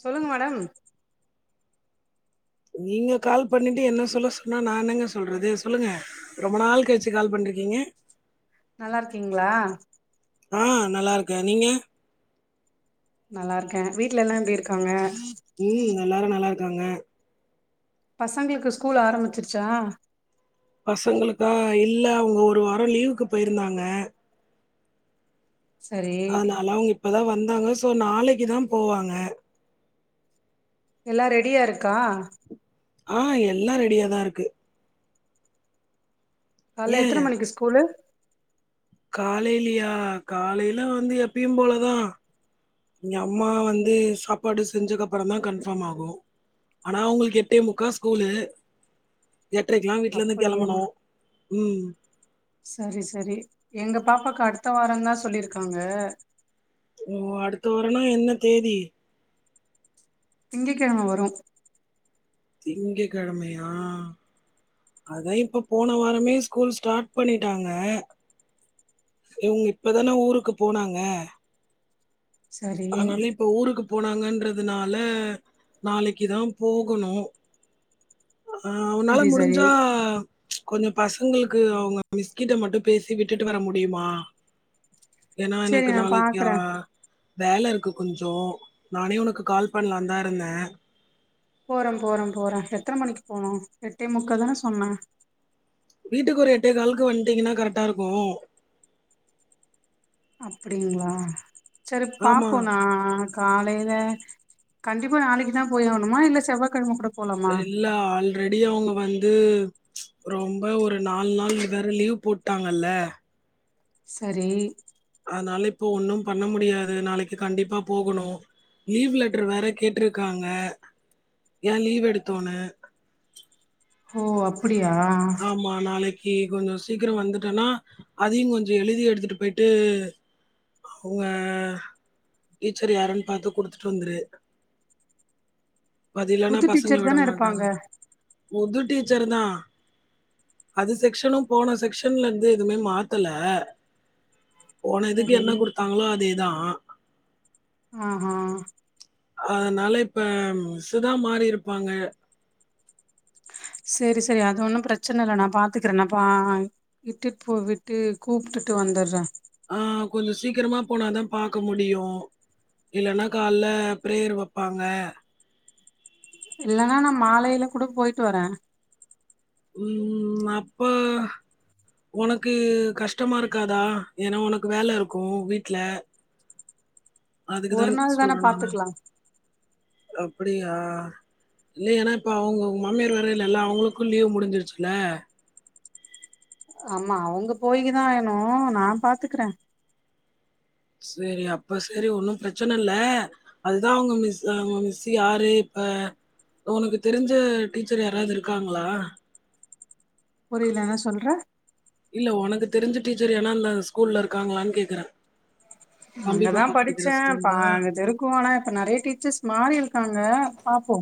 சொல்லுங்க மேடம் நீங்க கால் பண்ணிட்டு என்ன சொல்ல சொன்னா நா என்னங்க சொல்றது சொல்லுங்க ரொம்ப நாள் கழிச்சு கால் பண்ருக்கீங்க நல்லா இருக்கீங்களா ஆ நல்லா இருக்கே நீங்க நல்லா இருக்கே வீட்லல்லா எப்டி இருக்காங்க உம் எல்லாரு நல்லாருக் க்காங்க பசங்களுக்கு ஸ்கூல் ஆரம்பிச்சிருச்சா பசங்களுக்கா இல்ல அவுங்க ஒரு வாரோ லீவுக்கு போயிருந்தாங்க சரி அதனால அவுங்க இப்பதா வந் தாங்க சோ நாளைக்குதா போவாங்க எல்லா ரெடியா இருக்கா ஆ எல்லா ரெடியாதா இருக்கு கால்ல எத்தன மணிக்கு ஸ்கூலு காலேலியா காலையில வந்து எப்பியு போலதா ங்க அம்மா வந்து சாப்பாடு செஞ்தக்கப்பறோ தா கன்ஃபார்ம் ஆகு ஆனா அவங்களுக்கு எட்டே முக்கா ஸ்கூலு எட்டரைக்கெல்லாம் வீட்ல இருந்து அப்படியா கிளம்பணும் ம் சரி சரி எங்க பாப்பாக் க அடுத்த வாரோ தா சொல்லிருக்காங்க ஓ அடுத்த வரான்னா என்ன தேதி திங்க கிழம வரு திங்க கிழமையா அதா இப்ப போன வாரமே ஸ்கூல் ஸ்டார்ட் பண்ணிட்டாங்க இவங்க இப்பதான ஊருக்கு போனாங்க சரி அதனால இப்ப ஊருக்கு போனாங்கறத் அதனால நாளைகுதா போகணு ஆ உனால சரி சரி முடிஞ்சா ம்ச் கொஞ்சோ பசங்களுக்கு அவங்க மிஸ் கிட்ட மட்டு பேசி விட்டுட்டு வர முடியுமா ஏன்னா சரி எனக்கு நா நாளைக்கா பாக்குறே வேல இருக்கு கொஞ்சோ நானே உனக்கு கால் பண்ணலாந்தா இருந்தே போறே போறே போறே எத்தன மணிக்கு போனு எட்டே முக்க தான சொன்ன வீட்டுக்கு ஒரு எட்ட காலுக்கு வந்துட்டீங்கன்னா கரெக்டா இருக்கு அப்டிங்களா சரி ஆமா பாப்போ நா காலையில கண்டிப்பா நாளைகுதா போய் ஆகணுமா இல்ல செவ்வாக்கிழம கூட போலாமா இல்ல ஆல்ரெடி அவங்க வந் து ம்ச் ரொம்ப ஒரு நாலு நாள் வேற லீவ் போட்டாங்கல்ல சரி அதனால இப்ப ஒன்னு பண்ண முடியாது நாளைக்கு கண்டிப்பா போகணு லீவ் லெட்டர் வேற கேட்ருக்காங்க ஏன் லீவ் எடுத்தோன்னு ஓ அப்பி அப்டியா ஏ கொஞ்ச சீக்கிர வந்துட்டன்னா அதையு கொஞ்ச எழுதி எடுத்துட்டு போயிட்டு அவங்க டீச்சர் யாருன்னு பாத்து குடுத்துட்டுவந்துரு அது இல்லனா புது பசங்கள டீச்சர் தான விடமாட்டாங்க இருப்பாங்க புது டீச் ச்சருதா அது செக்ஷனு போன செக்ஷன்ல இருந்து எதுவுமே மாத்தல போன இதுக்கு சரி என்ன குடுத்தாங்களோ அதேதா ஆஹா அதனால இப்ப மிஸ்சுதா மாறி இருப்பாங்க செரி செரி அது ஒன்னு பிரச்சன இல்ல நா பாத்துக்றே பா இட்டுட்டு போ விட்டு கூப்டுட்டு வந்துட்றே ஆ கொஞ்ச சீக்கிரமா போனாதா பாக்க முடியு இல்லன்னா கால்ல பிரேயர் வைப்பாங்க இல்லன்னா நா மாலைல கூட போயிட்டு வரே உம் அப்ப உனக்கு கஷ்டமா இருக்காதா ஏன்னா உனக்கு வேலை இருக்கு வீட்ல அதுக்கு ஒரு தான் நாள் தான பாத்துக்கலா அப்டியா இல்ல ஏன்னா இப்ப அவங்க உங்க மாமியார் வேற இல்லல்ல அவங்களுக்கு லீவ் முடிஞ்சிருச்சுல ஆமா அவங்க போய்க்குதா வேணு நா பாத்துக்றே சேரி அப்ப சேரி ஒன்னு பிரச்சன இல்ல அதுதா அவங்க மிஸ் அவங்க மிஸ் யாரு இப்ப உனக்கு தெரிஞ்ச டீச்சர் யாராவது இருக்காங்களா புரில என்ன சொல்ற இல்ல உனக்கு தெரிஞ்ச டிச்சர் யானா இந்த ஸ்கூல்ல இருக்காங்களான்னு கேக்குறே அங்கதா படிச்சே பா அங்க தெருக்குவாங்க இப்ப நெறைய டீச்சர்ஸ் மாறி இருக்காங்க ங்க பாப்போ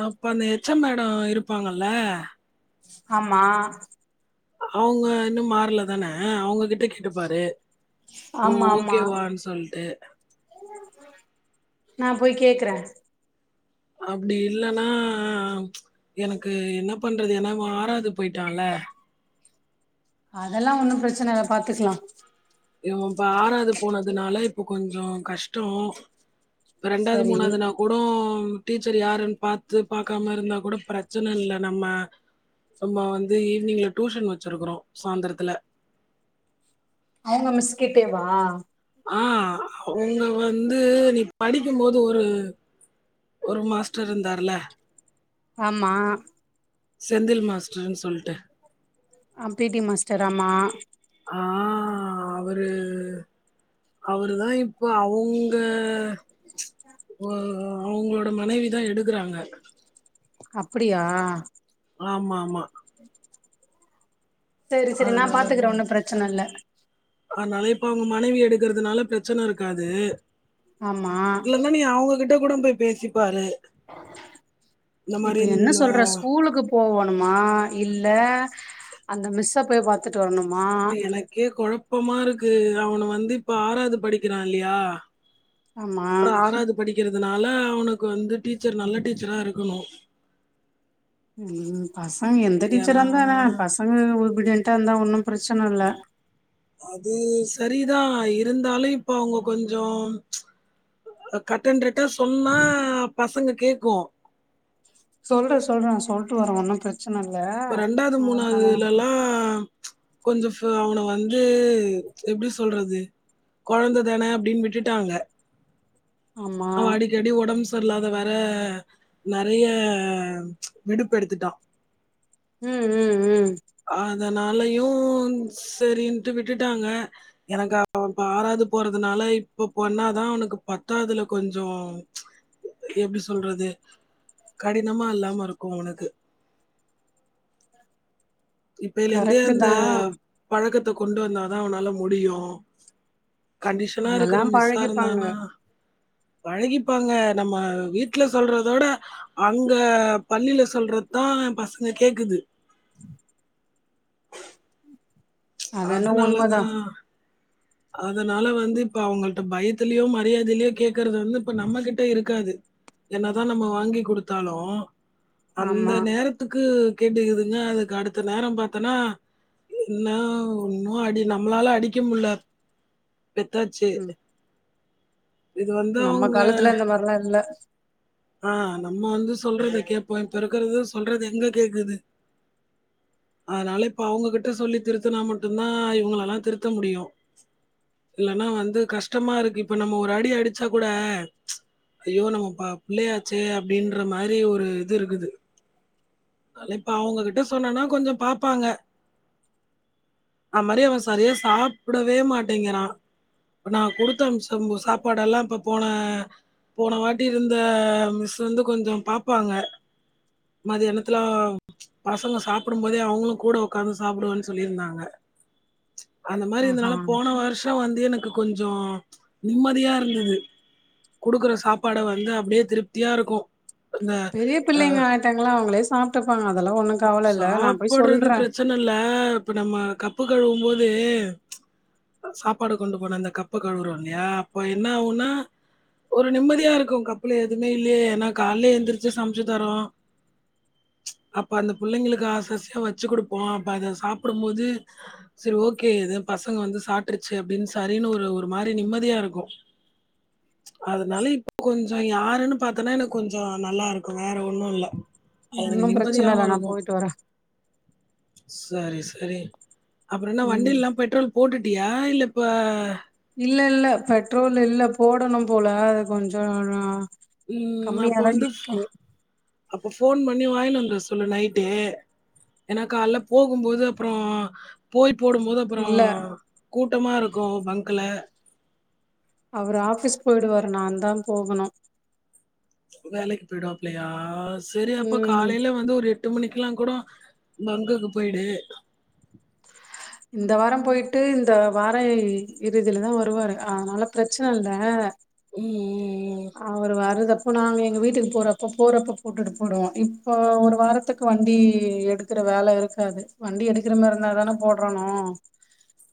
அப்ப அந்த எச் எம் மேடம் இருப்பாங்கல்ல ஆம்மா அவங்க இன்னு மாறல தான அவங்ககிட்ட கேட்டுப்பாரு ஆமா ஆமா ஓகேவான்னு சொல்ட்டு நா போய் கேக்குறே அப்டி இல்லைன்னா எனக்கு என்ன பண்றது ஏன்னா இவன் ஆறாவது போயிட்டான்ல அதெல்லா ஒன்னு பிரச்சன இல பாத்துக்கலா இவன்ப்ப ஆறாது போனதுனால இப்ப கொஞ்சோ கஷ்டோ இப்ப ரெண்டாவது சரி மூணாவதுனா கூட டீச்சர் யாருன்னு பாத்து பாக்காம இருந்தா கூட பிரச்சன இல்ல நம்ம நம்ம வந்து ஈவினிங்ல டியூஷன் வச்சிருக்குறோ சாயந்திரத்துல அவங்க மிஸ்கிட்டேவா ஆ அவங்க வந்து நீ படிக்கும்போது ஒரு ஒரு மாஸ்டர் இருந்தார்ல ஆம்மா செந்தில் மாஸ்டர்ன்னு சொல்ட்டு அ பி டி மாஸ்டர் ஆமா ஆ அவரு அவரு தா இப்ப அவங்க ஓ ஓ அவங்களோட மனைவி தா எடுக்றாங்க அப்டியா ஆமா ஆமா செரி செரி நா அதனால பாத்துக்கறே ஒன்னு பிரச்சனை இல்ல அனால இப்ப அவங்க மனைவி எடுக்கறதுனால பிரச்சனை இருக்காது ஆமா கூடம் போய் பேசிப்பாரு இப்ப என்ன இந்த சொல்ற ஸ்கூலுக்கு போவணுமா இல்ல அந்த மிஸ்ஸ போய் பாத்துட்டு வரணும் எனக்கே கொழப்பமா இருக் க்கு அவனை வந்து இப்ப ஆறாவது படிக்கிறா இல்லையா ஆமா அப்ற ஆறாவது படிக்கிற அதனால அவனுக்கு வந்து டீச்சர் நல்ல டீச்சராக இருக்கணு உஹம் பசங்க எந்த டீச்சராந்தானெனா பசங்க உருபடி க இருந்தா ஒன்னு பிரச்சனை இல் அது சரிதா இருந்தாலு இப்ப அவங்க கொஞ்சோ கட் அண்ரைட்டா சொன்னா பசங்க கேக்கு சொல்றே சொல்றே சொல்லிட்டு வரே ஒன்னு பிரச்ச இப்ப ரெண்டாவது மூணாவதுலல்லா கொஞ்சோ அவனை வந்து எப்டி சொல்றது கொழந்த தானே அப்டின்னு விட்டுட்டாங்க ஆமா அவ அடிக்க அடி ஒடம்பு ச செரில்லாத வேற நெறைய விடுப்பு எடுத்துட்டா உம் உம் உம் அதனாலயையு சரின்ட்டு விட்டுட்டாங்க எனக்கு அப் ப ஆறாவது போறதுனால இப்ப பொண்ணாதா உனக்கு பத்தாதுல கொஞ்சோ எப்டி சொல்றது கடினமா இல்லாம இருக்கு உனக்கு இப்பையிலிந்தே கரெக்ட்டு அந்த தா பழக்க த்த கொண்டு வந்தாதா அவனால முடியு கண்டிஷனா அதெல்லா இருக்கற மிஸ்ஸா பழகிப்பாங்க இருந்தானா பழகிப்பாங்க நம்ம வீட்டுல சொல்றதவிட அங்க பள்ளியில சொல்றதுதா பசங்க கேக்குது அது என்ன அதனால உண்மதா தான் அதனால வந்து இப்ப அவங்கள்ட பயத்தலயோ மரியாதையிலயோ கே கேக்குறது வந்து இப்ப நம்மகிட்ட இருக்காது என்னதா நம்ம வாங்கி குடுத்தாலு அந்த ஆமா நேரத்துக்கு கேட்டுக்குதுங்க அதுக்கு அடுத்த நேர பாத்தோன்னா இன்னு இன்னு அடி நம்மளால அடிக்க முல பெத்தாச்சி ம் நம்ம காலத்துல இந்த மாதிரிலா இல்ல ஆஹ் நம்ம வந்து சொல்றத கேப்போ இப்பருக் [unintelligible] சொல்றது எங்க கேக்குது அதனால இப்ப அவங்ககிட்ட சொல்லி திருத்துனா மட்டும்தா இவுங்களலாம் திருத்த முடியு இல்லன்னா வந்து கஷ்டமா இருக்கு இப்ப நம்ம ஒரு அடி அடிச்சா கூட ஐயோ நம்ம பா புள்ளையாச்சே அப்டின்ற மாரி ஒரு இது இருக்குது இப்ப அவுங்ககிட்ட சொன்னனா கொஞ்சோ பாப்பாங்க அதுமாரி அவன் சரியா சாப் சாப்புடவே மாட்டேங்கிறான் நா குடுத்தம்ச்ச சாப்பாடெல்லா இப்ப போன போன வாட்டி இருந்த மிஸ் வந்து கொஞ்சோ பாப்பாங்க மதியான துல பசங்க சாப்புடும் போதே அவங்களும் கூட உக்காந்து சாப்புடுவனு சொல்லிருந்தாங்க அந்தமாரி ஆஹா இருந்தனால போன வருஷோ வந்து எனக்கு கொஞ்சோ நிம்மதியா இருந்தது குடுக்குற சாப்பாட வந்து அப்டியே திருப்தியா இருக்கும் இந்த பெரிய பிள்ளைங்க ஆயிட்டாங்களா அவங்களே சாப்ட்டுப்பாங்க அதெல்லா ஒண்ணு கவல இல்ல நா போய் சாப்புட்றது சொல்றே பிரச்சன இல்ல இப்ப நம்ம க கப்பு கழுவும் போது சாப்பாடு கொண்டு போன அந்த கப்ப கழுவுறோ இல்லயா அப்ப என்ன ஆகும்னா ஒரு நிம்மதியா இருக்கும் கப்ல எதுமே இல்லயே ஏன்னா கால்லே எந்திரிச்சு சமைச்சு தரோம் அப்ப அந்த புள்ளைங்களுக்கு ஆச ஆசயா வச்சு குடுப்போம் அப்ப இத சாப்டும் போது சரி ஓகே இது பசங்க வந்து சாப்ட்ருச்சு அப்டின்னு சரின்னு ஒரு ஒரு மாரி நிம்மதியா இருக்கும். அதனால இப்ப கொஞ்சோ யாருன்னு பாத்தன்னா எனக்கு கொஞ்சோ நல்லா இருக்கும். வேற ஒன்னும் இல்ல அது எனக்கு ஒன்னும் பிரச்சன இல்ல நிம்மதியாவும் நா இருக்கும். போயிட்டு வரே சரி சரி அப்றம் என்ன ம் வண்டிலல்லா பெட்ரோல் போட்டுட் அப்டியா இல்லப்ப இல்ல இல்ல பெட்ரோல் இல்ல போடணு போல அது கொஞ்சோ நா ம் அப்ப வந்து பா போன் பண்ணி வாங்கின்னு வந்துற சொல்லு நைட்டே ஏன்னா கால்ல போகும்போது அப்றோ போயிட் போடும்போது அப்றோ இல்ல கூட்டமா இருக்கும் பங்க்குல அவரு ஆஃபிஸ் போயிடுவாரு நான்தா போகணு வேலைக்கு போய்டுவாப்லயா சரி அப்ப ம் காலைல வந்து ஒரு எட்டு மணிக் இருக்கலா கூடோ பங்குக்கு போய்டு இந்த வாரோ போய்ட்டு இந்த வார இறுதிலதா வருவாரு அதனால பிரச்சன இல்ல ம், ம், ம். அவரு வரத இப்போ நாங்க எங்க வீட்டுக்கு போறப்போ போறப்போ போட்டுட்டு போறோம். இப்போ ஒரு வாரத்துக்கு வண்டி எடுக்ற வேல இருக்காது. வண்டி எடுக்ற மாரி இருந்தா தான போட்றணு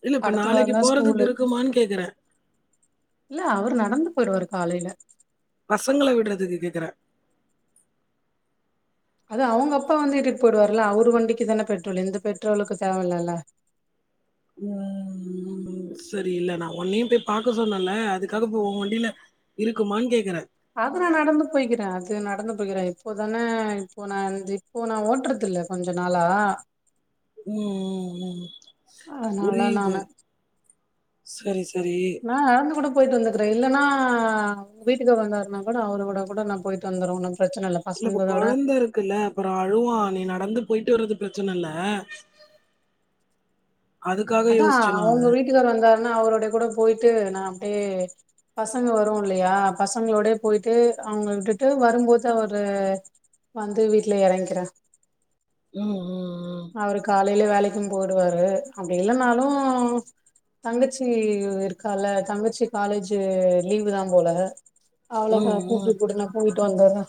இல்ல இப்ப நாளக்கி போறதுக்கு இருக்குமான்னு கேக்குறே போய்டுவார் காலையில பசங்கள விட்றதுக்கு கேக்குற அது அவங்க அப்பா வந்து இட்டுட்டு போய்டுவாருல்ல அவரு வண்டிக்கு தான பெட்ரோல் இந்த பெட்ரோலுக்கு தேவ இல்லல்ல ம் சரி இல்ல நா ஒன்னையு போய் பாக்க சொன்னேல்ல அதுக்காக இப்ப ஓ வண்டில இருக்குமான்னு கேக்குற அது நா நடந்து போய்க்கிறே அது நடந்து போய்க்கிறே இப்போதான இப்போ நா இந் இப்போ நா ஓட்றதில்ல கொஞ்ச நாளா ம் ம் ம் அதனால புரியுது நானு செரி நா நடந்து கூடப் போயிட்டு வந்துக்குறே இல்லன்னா வீட்டுக்காரு வந்தாருனா கூட அவரு கூட கூட நா போயிட்டு வந்துருவே ஒண்ணும் இல்ல இப்ப கொழந்த இருக்குல்ல அப்றோ அழுவா நீ நடந்து போய்ட்டு வர்றது பிரச்னயில்ல அதுக்காக அதா யோசிச்சே நானு அவுங்க வீட்டுகாரர் வந்தார் னா அவரோடே கூட போயிட்டு நா அப்டே பசங்க வரும் இல்லயா பசங்களோடயே போயிட்டு அவுங்க விட்டுட்டு வரும்போது அவரு வந்து வீட்ல எறங்கிறே. உம் உம் உம் அவரு காலையிலே வேலக்கும் போயிடுவாரு. அப்டி இல்லன்னாலு தங்கச்சி இருக்கால்ல, தங்கச்சி காலேஜ் லீவ் தா போல. ம் அவளக்கா ம் ம் கூப்டுட் கூட நா போய் ட்டு வருவே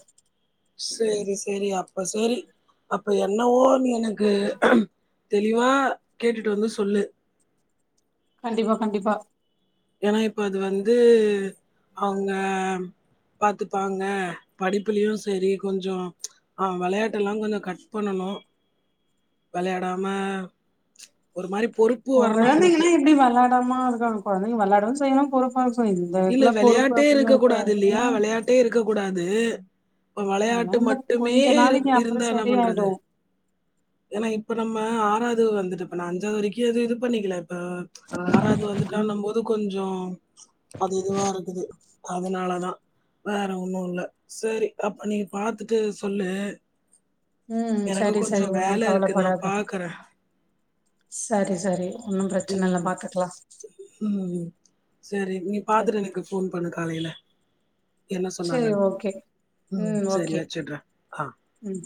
சேரி சேரி அப்ப சேரி அப்ப என்னவோ நீ எனக்கு தெளிவா கேட்டுட்டு வந்து சொல்லு கண்டிப்பா கண்டிப்பா ஏன்னா இப்ப அது வந்து அவுங்க பாத்துப்பாங்க படிப்புலயு செரி கொஞ்சௌ ஆ வெளையாட்டெல்லா கொஞ்சோ கட் பண்ணணு வெளையாடாம ஒரு மாரி பொறுப்பு வரணு அவனுக்கு கொழந்தைங்கன்னா எப்டி வெளா டாம இருங்காங்க கொழந்தைங்க வெளையாடவு செய்ணு பொறுப் இல்ல வெளையாட்டே இருக்க கூடாது இல்லையா வெளையாட்டே இருக்க கூடாது இப்ப அதெல்லா வெளையாட்டு இந்த மட்டுமே கொஞ்ச இரு நாளைக்கு அப்றோ இருந்தா என்ன பண்றது சரியாயிடு ஏன்னா இப்ப நம்ம ஆறாது து வந்துட்டு இப்ப நா அஞ்சாவது வரைக்கு அது இது பண்ணிக்கிலா இப் ப ஆறாவது வந்துட்டா இன்னும் போது கொஞ்சொ அது இதுவா இருக்குது அதனாலதா வேற ஒன்னு இல்ல சேரி அப்ப நீங்க பாத்துட்டு சொல்லு ம் எனக்கு சரி சரி கொஞ்சம் ஒண்ணு வேலை இருக்கு. நான் கவலப்படாத பார்க்குறேன். சரி சரி ஒன்னு பிரச்சன இல்ல ம் பாத்துக்கலா ம் செரி நீ சரி பாத்துட்டு எனக்கு ஃபோன் பண்ணு டா காலைல சேரி ஓகே ம் சரி ஓகே வச்சுடுறேன். ஆ. ம்